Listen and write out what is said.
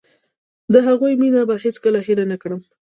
د هغوی مينه به هېڅ کله هېره نکړم.